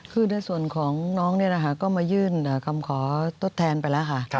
คือในส่วนของน้องก็มายื่นคำขอทดแทนไปแล้วค่ะ